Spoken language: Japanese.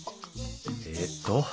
えっと